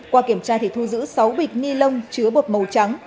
qua kiểm tra thì thu giữ sáu bịch ni lông chứa bột màu trắng